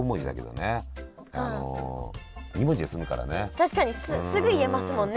確かにすぐ言えますもんね。